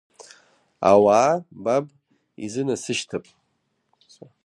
Ауаа баб изынасышьҭып?